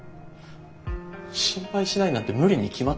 心配しないなんて無理に決まってる。